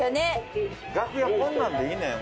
楽屋こんなんでいいねん。